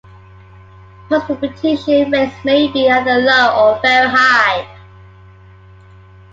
Pulse repetition rates may be either low or very high.